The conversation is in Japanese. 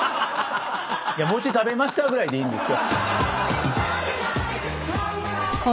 餅食べましたぐらいでいいんですよ。